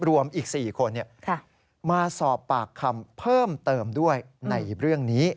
รวมอีก๔คนมาสอบปากคำเพิ่มเติมด้วยในเรื่องนี้